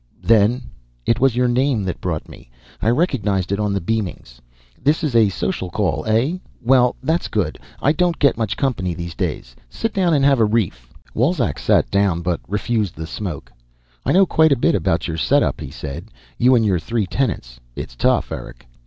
Then " "It was your name that brought me. I recognized it on the beamings." "Then this is a social call, eh? Well, that's good. I don't get much company these days. Sit down, have a reef." Wolzek sat down but refused the smoke. "I know quite a bit about your setup," he said. "You and your three tenants. It's tough, Eric."